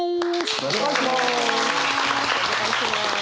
よろしくお願いします。